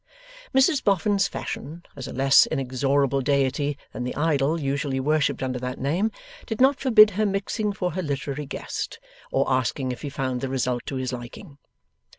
Mrs Boffin's Fashion, as a less inexorable deity than the idol usually worshipped under that name, did not forbid her mixing for her literary guest, or asking if he found the result to his liking.